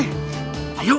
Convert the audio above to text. mantap ya ini boy